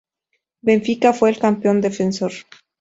Benfica fue el campeón defensor.